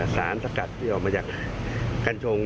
สารสกัดที่ออกมาจากกัญชง